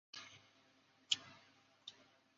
হত্যা করা হয়েছে বলে পরিবারের অভিযোগ।